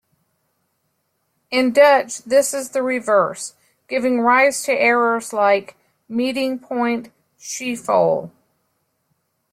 In Dutch this is the reverse, giving rise to errors like "Meeting Point Schiphol".